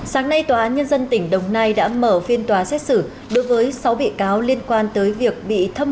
sáng nay tòa án nhân dân tỉnh đồng nai đã mở phiên tòa xét xử đối với sáu bị cáo liên quan tới việc bị thâm